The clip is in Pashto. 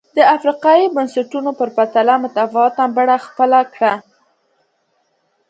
د افریقايي بنسټونو په پرتله متفاوته بڼه خپله کړه.